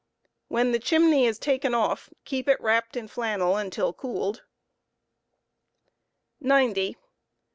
When the uniey is taken offy keep it wrapped In flannel until cooled. t>0.